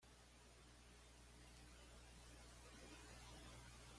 La causa de su muerte fue una neumonía.